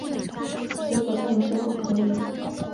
结果他们说不可以